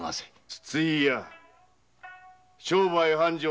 筒井屋商売繁盛で結構。